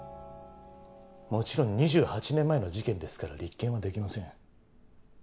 もちろん２８年前の事件ですから立件はできません。